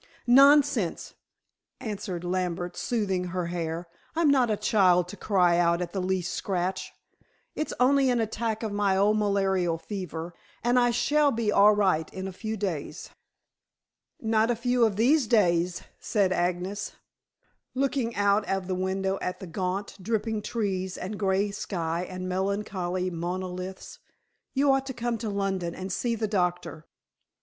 "Nonsense," answered Lambert, smoothing her hair. "I'm not a child to cry out at the least scratch. It's only an attack of my old malarial fever, and I shall be all right in a few days." "Not a few of these days," said Agnes, looking out of the window at the gaunt, dripping trees and gray sky and melancholy monoliths. "You ought to come to London and see the doctor."